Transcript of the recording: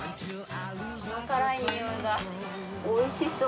甘辛い匂いがおいしそう。